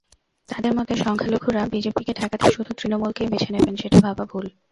তাঁদের মতে, সংখ্যালঘুরা বিজেপিকে ঠেকাতে শুধু তৃণমূলকেই বেছে নেবেন, সেটা ভাবা ভুল।